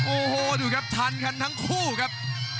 โอ้โหดูครับทันกันทั้งคู่ครับ